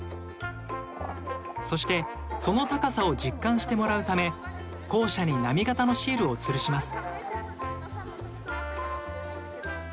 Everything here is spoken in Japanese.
そしてその高さを実感してもらうため校舎に波形のシールをつるします。